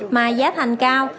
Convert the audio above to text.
mai giá thành cao